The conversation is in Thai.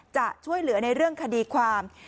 จะช่วยเหลือในเรื่องคดีความ